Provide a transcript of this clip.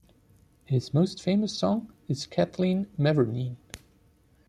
His most famous song is "Kathleen Mavourneen".